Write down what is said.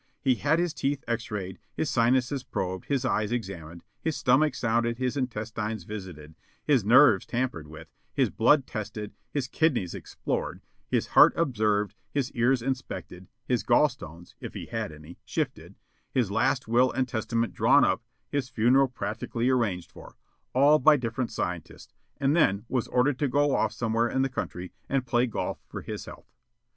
He had his teeth ex rayed, his sinuses probed, his eyes examined, his stomach sounded, his intestines visited, his nerves tampered with, his blood tested, his kidneys explored, his heart observed, his ears inspected, his gall stones (if he had any) shifted, his last will and testament drawn up, his funeral practically arranged for, all by different scientists, and then was ordered to go off somewhere in the country and play golf for his health.